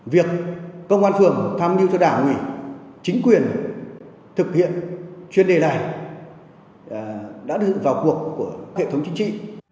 việc công an phường tham mưu cho đảng ủy chính quyền thực hiện chuyên đề này đã đưa vào cuộc của hệ thống chính trị